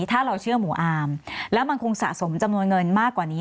ถ้าเราเชื่อหมู่อาร์มแล้วมันคงสะสมจำนวนเงินมากกว่านี้